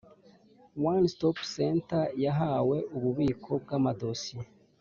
One Stop Center yahawe ububiko bw amadosiye